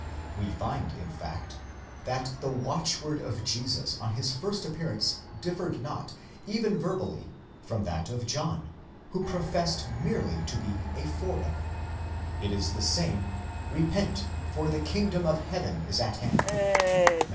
We find, in fact, that the watch word of Jesus on his first appearance differed not, even verbally, from that of John, who professed merely to be a forerunner ; it is the same Repent, for the kingdom of heaven ts at hand (Matt.